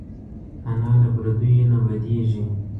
انا له پردیو نه بدېږي